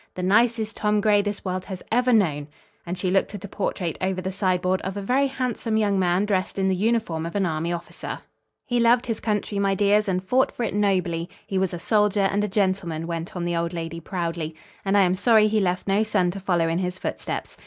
"The nicest Tom Gray this world has ever known." And she looked at a portrait over the sideboard of a very handsome young man dressed in the uniform of an Army officer. "He loved his country, my dears, and fought for it nobly. He was a soldier and a gentleman," went on the old lady proudly, "and I am sorry he left no son to follow in his footsteps.